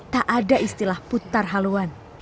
tak ada istilah putar haluan